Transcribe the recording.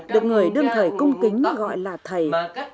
được người đương thời cung kính gọi là thầy